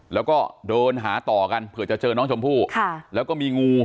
แล้วก็เดินหาต่อกันเผื่อจะเจอน้องชมพู่แล้วก็มีงู